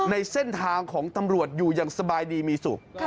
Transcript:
ในเส้นทางของตำรวจอยู่อย่างสบายดีมีสุข